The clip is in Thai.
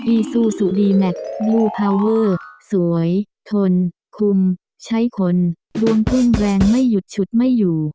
อีซูซูดีแม็กซ์บลูพาวเวอร์สวยทนคุมใช้คนดวงขึ้นแรงไม่หยุดฉุดไม่อยู่